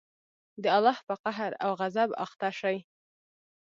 د الله په قهر او غصب اخته شئ.